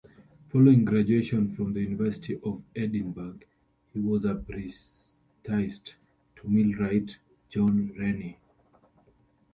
Following graduation from the University of Edinburgh, he was apprenticed to millwright John Rennie.